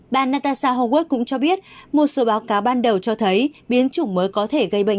bà natasa hugue cũng cho biết một số báo cáo ban đầu cho thấy biến chủng mới có thể gây bệnh